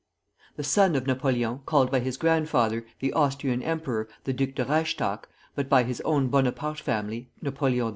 The son of Napoleon, called by his grandfather, the Austrian emperor, the Duc de Reichstadt, but by his own Bonaparte family Napoleon II.